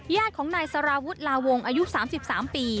ญาติของนายสารวุฒิลาวงอายุ๓๓ปี